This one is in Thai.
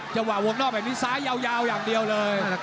จังหวะวงนอกแบบนี้ซ้ายยาวอย่างเดียวเลย